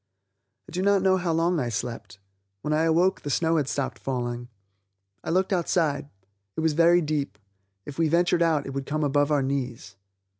I do not know how long I slept; when I awoke the snow had stopped falling. I looked outside. It was very deep; if we ventured out it would come above our knees.